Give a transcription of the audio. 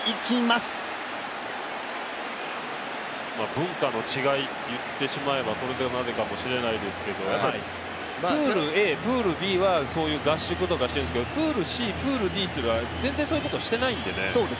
文化の違いと言ってしまえばそれまでかもしれないですけどプールＡ、プールＢはそういう合宿とかをしているんですけど、プールＣ、Ｄっていうのは全然そういうことしてないんでね。